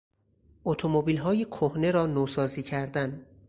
اتومبیلهای کهنه را نوسازی کردن